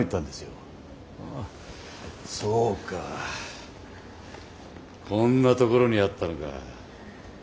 そうかこんなところにあったのか。